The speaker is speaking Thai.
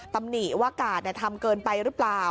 ตำหนิว่ากาดทำเกินไปหรือเปล่า